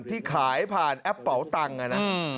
ที่ขายผ่านแอปเป๋าตังค์นะ